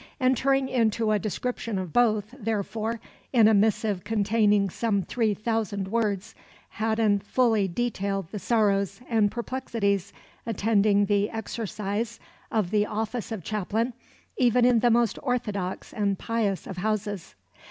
Entering into a description of both, therefore, in a missive containing some three thousand words, Haddon fully detailed the sorrows and perplexities attending the exercise of the office of chaplain, even in the most orthodox and pious of houses.